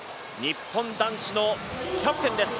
日本男子のキャプテンです。